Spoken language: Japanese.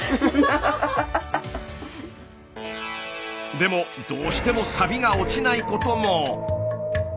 でもどうしてもサビが落ちないことも。